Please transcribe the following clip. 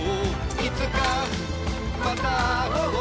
「いつかまた会おう」